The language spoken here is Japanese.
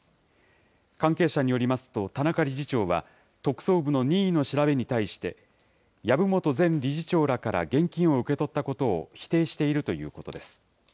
関係者によりますと、田中理事長は、特捜部の任意の調べに対して、籔本前理事長らから現金を受け取ったことを否定しているということです。